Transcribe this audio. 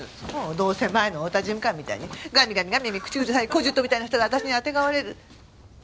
どうせ前の太田事務官みたいにガミガミガミガミ口うるさい小姑みたいな人が私にあてがわれる。